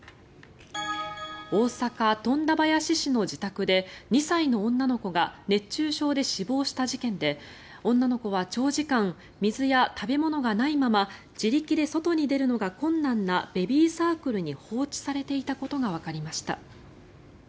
大阪・富田林市の自宅で２歳の女の子が熱中症で死亡した事件で女の子は長時間水や食べ物がないまま自力で外に出るのが困難なベビーサークルに放置されていたことがわかりました。